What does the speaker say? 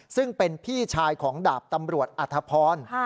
ซึ่งเป็นพี่ชายของดาบตำรวจอัธพร